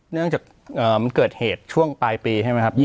เนื่องจากมันเกิดเหตุช่วงปลายปีใช่ไหมครับ